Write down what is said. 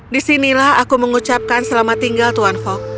disinilah aku mengucapkan selamat tinggal tuan fok